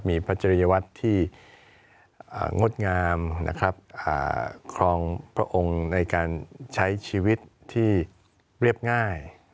มีพระจริยวัตรที่งดงามนะครับครองพระองค์ในการใช้ชีวิตที่เรียบง่าย